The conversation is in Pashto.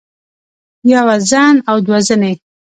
يوه زن او دوه زنې